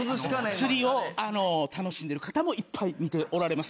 釣りを楽しんでる方もいっぱい見ておられます。